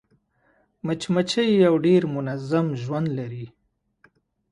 مچمچۍ یو ډېر منظم ژوند لري